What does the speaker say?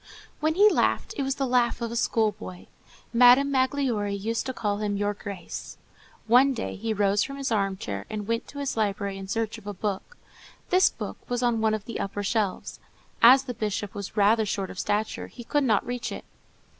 When he laughed, it was the laugh of a schoolboy. Madame Magloire liked to call him Your Grace [Votre Grandeur]. One day he rose from his armchair, and went to his library in search of a book. This book was on one of the upper shelves. As the bishop was rather short of stature, he could not reach it.